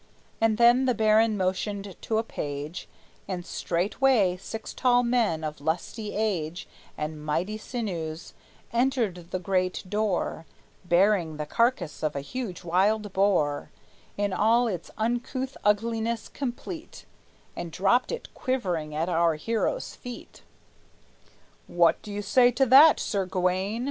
And then the baron motioned to a page, And straightway six tall men, of lusty age And mighty sinews, entered the great door, Bearing the carcass of a huge wild boar, In all its uncouth ugliness complete, And dropped it quivering at our hero's feet. "What do you say to that, Sir Gawayne?"